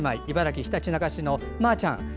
茨城・ひたちなか市のまーちゃん。